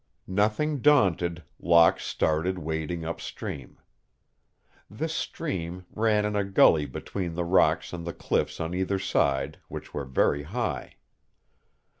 Nothing daunted, Locke started wading upstream. This stream ran in a gully between the rocks and the cliffs on either side, which were very high.